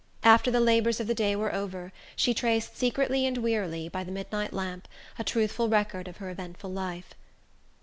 After the labors of the day were over, she traced secretly and wearily, by the midnight lamp, a truthful record of her eventful life.